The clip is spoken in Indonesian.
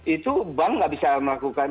itu bank nggak bisa melakukan